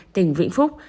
tỉnh vĩnh phúc